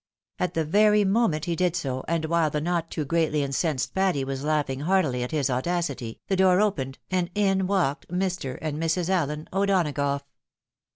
At the very moment he did so, and while the not tooi greatly incensed Patty was laughing heartily at his audacity, the door opened, and in walked Mr. and Mrs. Allen O'Dona gough.